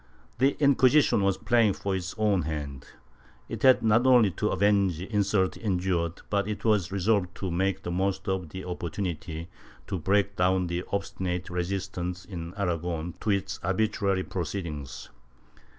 The Inquisition was playing for its own hand. It had not only to avenge insults endured but it was resolved to make the most of the opportunity to break down the obstinate resistance in Aragon to its arbitrary proceedings.